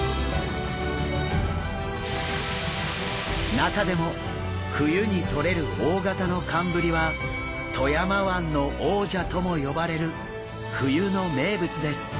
中でも冬にとれる大型の寒ぶりは富山湾の王者とも呼ばれる冬の名物です。